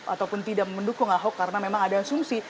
ataupun tidak mendukung ahok karena memang ada asumsi